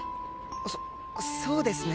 そそうですね。